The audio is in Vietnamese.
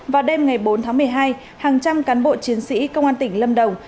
vào đêm ngày bốn tháng một mươi hai hàng trăm cán bộ chiến sĩ công an tỉnh lâm đồng